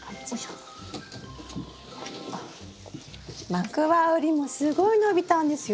マクワウリもすごい伸びたんですよ。